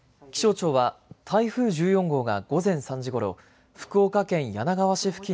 気象庁は台風１４号が午前３時ごろ、福岡県柳川市付近